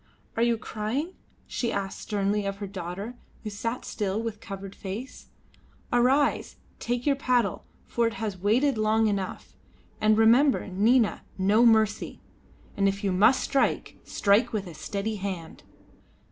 "Are you crying?" she asked sternly of her daughter, who sat still with covered face. "Arise, and take your paddle, for he has waited long enough. And remember, Nina, no mercy; and if you must strike, strike with a steady hand."